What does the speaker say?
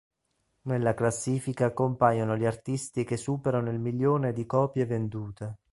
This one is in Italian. Nella classifica compaiono gli artisti che superano il milione di copie vendute.